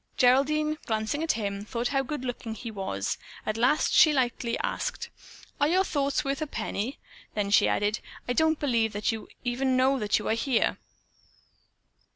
Geraldine, glancing at him, thought how good looking he was. At last she asked lightly, "Are your thoughts worth a penny?" Then she added, "I don't believe that you even know that you are here."